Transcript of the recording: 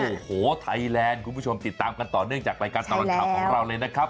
โอ้โหไทยแลนด์คุณผู้ชมติดตามกันต่อเนื่องจากรายการตลอดข่าวของเราเลยนะครับ